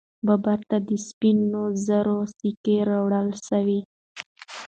بابر ته د سپینو زرو سکې راوړل سوې.